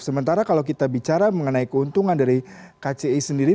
sementara kalau kita bicara mengenai keuntungan dari kci sendiri